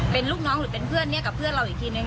เป็นลูกน้องหรือเป็นเพื่อนเนี่ยกับเพื่อนเราอีกทีนึง